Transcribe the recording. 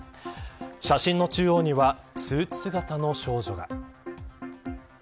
写真の中央にはスーツ姿の少女が。